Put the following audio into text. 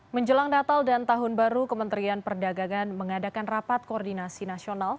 menjelang natal dan tahun baru kementerian perdagangan mengadakan rapat koordinasi nasional